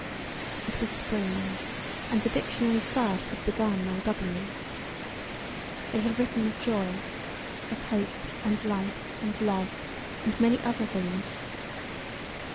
It was spring now, and the dictionary staff had begun on W. They had written of Joy, of Hope and Life and Love, and many other things.